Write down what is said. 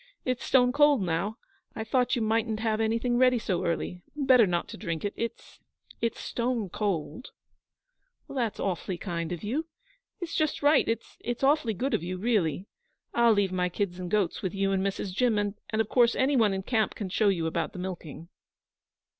It's stone cold now. I thought you mightn't have anything ready so early. Better not drink it. It's it's stone cold.' 'That's awfully kind of you. It's just right. It's awfully good of you, really. I'll leave my kids and goats with you and Mrs. Jim; and, of course, any one in camp can show you about the milking.'